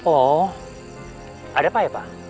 oh ada pak ya pak